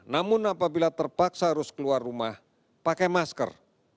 namun apabila terpaksa harus keluar rumah pakai masker